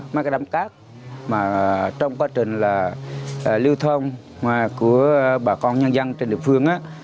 mấy cái đám cát mà trong quá trình là lưu thông của bà con nhân dân trên địa phương á